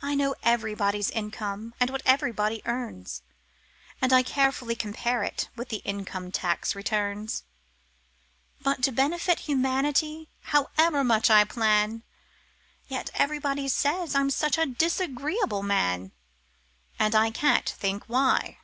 I know everybody's income and what everybody earns, And I carefully compare it with the income tax returns; But to benefit humanity, however much I plan, Yet everybody says I'm such a disagreeable man! And I can't think why!